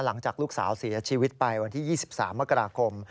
หลังจากลูกสาวเสียชีวิตไปวันที่๒๓มกราคม